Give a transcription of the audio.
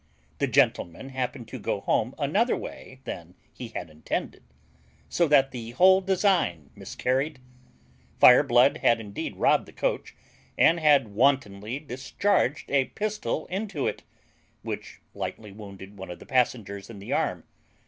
The gentleman happened to go home another way than he had intended; so that the whole design miscarried. Fireblood had indeed robbed the coach, and had wantonly discharged a pistol into it, which lightly wounded one of the passengers in the arm.